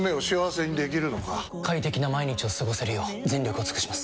快適な毎日を過ごせるよう全力を尽くします！